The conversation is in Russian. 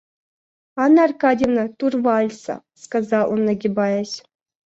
Анна Аркадьевна, тур вальса, — сказал он нагибаясь.